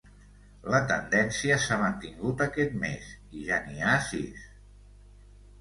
La tendència s’ha mantingut aquest mes i ja n’hi ha sis.